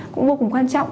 cũng vô cùng quan trọng